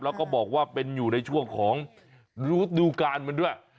แล้วก็บอกว่าเป็นอยู่ในช่วงของฤดูการมันด้วย